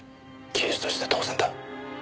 刑事として当然だ。